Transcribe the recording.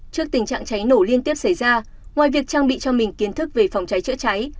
trước tình trạng cháy nổ liên tiếp xảy ra ngoài việc trang bị cho mình kiến thức về phòng cháy chữa cháy